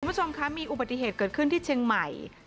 คุณผู้ชมคะมีอุบัติเหตุเกิดขึ้นที่เชียงใหม่